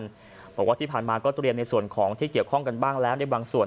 บอกว่าที่ผ่านมาก็เตรียมในส่วนของที่เกี่ยวข้องกันบ้างแล้วในบางส่วน